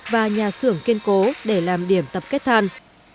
và nhà xưởng kiên cố để làm điểm tập kết than